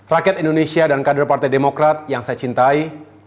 rakyat indonesia dan kader partai demokrat yang saya cintai